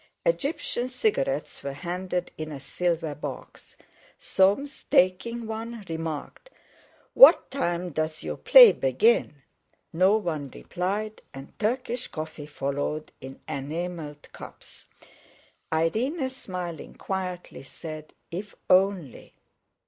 Egyptian cigarettes were handed in a silver box. Soames, taking one, remarked: "What time's your play begin?" No one replied, and Turkish coffee followed in enamelled cups. Irene, smiling quietly, said: "If only...."